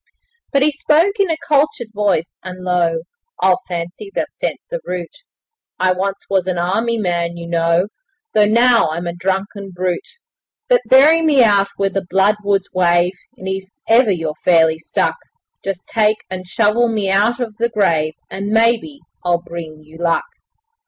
But he spoke in a cultured voice and low 'I fancy they've "sent the route"; I once was an army man, you know, Though now I'm a drunken brute; But bury me out where the bloodwoods wave, And if ever you're fairly stuck, Just take and shovel me out of the grave And, maybe, I'll bring you luck.